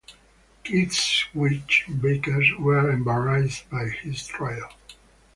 Kidd's Whig backers were embarrassed by his trial.